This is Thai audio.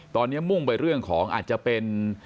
ตอนนี้มุ่งไปเรื่องของอาจจะเป็น